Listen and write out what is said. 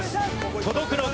届くのか？